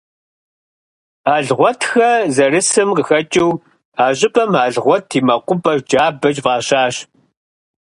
Алгъуэтхэ зэрисам къыхэкӏыу, а щӏыпӏэм «Алгъуэт и мэкъупӏэ джабэ» фӏащащ.